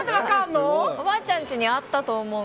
おばあちゃんちにあったと思う。